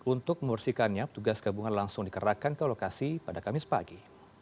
untuk membersihkannya petugas gabungan langsung dikerahkan ke lokasi pada kamis pagi